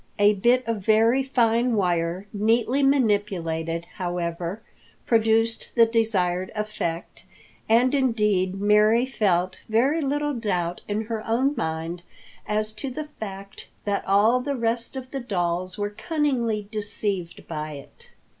A bit of very fine wire, neatly manipulated, however, produced the desired effect, and indeed Mary felt very little doubt in her own mind as to the fact that all the rest of the dolls were cunningly deceived by it.